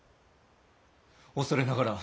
恐れながら！